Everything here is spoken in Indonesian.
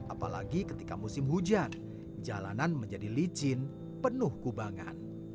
apalagi ketika musim hujan jalanan menjadi licin penuh kubangan